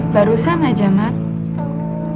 barusan aja mas